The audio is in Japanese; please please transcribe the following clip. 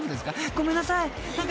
ごめんなさい］